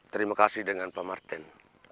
terima kasih dengan pak martin